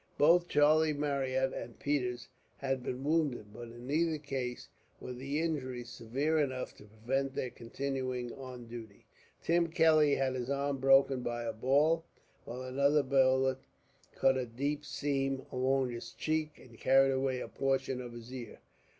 Both Charlie Marryat and Peters had been wounded, but in neither case were the injuries severe enough to prevent their continuing on duty. Tim Kelly had his arm broken by a ball, while another bullet cut a deep seam along his cheek, and carried away a portion of his ear.